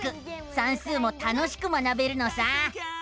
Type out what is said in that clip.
算数も楽しく学べるのさ！